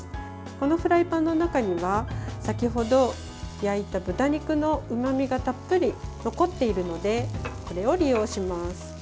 このフライパンの中には先ほど焼いた豚肉のうまみがたっぷり残っているのでこれを利用します。